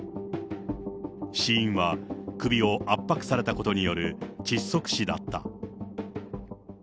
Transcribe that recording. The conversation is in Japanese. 死因は首を圧迫されたことによる窒息死だった。